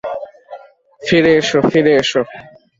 ফিরে এসো, ফিরে এসো।